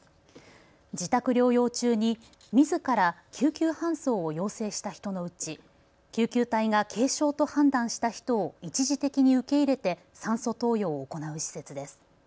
自宅療養中にみずから救急搬送を要請した人のうち救急隊が軽症と判断した人を一時的に受け入れて酸素投与を行う施設です。